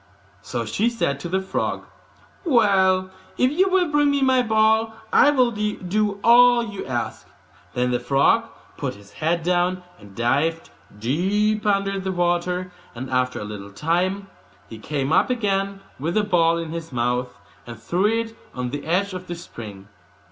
So she said to the frog, 'Well, if you will bring me my ball, I will do all you ask.' Then the frog put his head down, and dived deep under the water; and after a little while he came up again, with the ball in his mouth, and threw it on the edge of the spring.